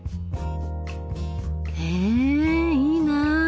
えいいな。